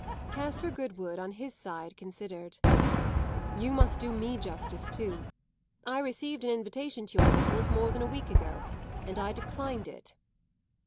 Caspar Goodwood, on his side, considered. "You must do me justice too. I received an invitation to your uncle's more than a week ago, and I declined it."